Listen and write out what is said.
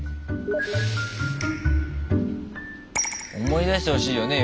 思い出してほしいよね。